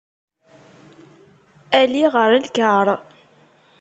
Ali ɣer lkar.